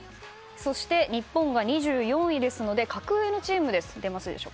そして、日本は２４位ですので格上のチームです。